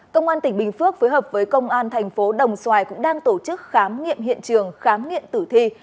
công an tỉnh bình phước phối hợp với công an thành phố đồng xoài cũng đang tổ chức khám nghiệm hiện trường khám nghiệm tử thi